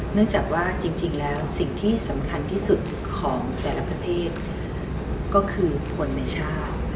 เนื่องจากว่าจริงแล้วสิ่งที่สำคัญที่สุดของแต่ละประเทศก็คือคนในชาติ